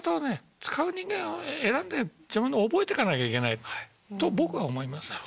使う人間が選んで自分で覚えてかなきゃいけないと僕は思います。